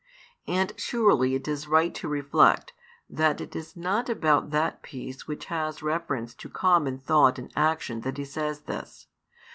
And surely it is right to reflect, that it is not about that peace which has reference to common thought and action that He says this.